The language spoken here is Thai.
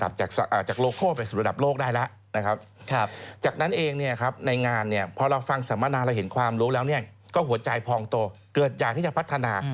บางสัมมนาเราเห็นความรู้แล้วเนี่ยก็หัวใจพองโตเกิดอย่างที่จะพัฒนา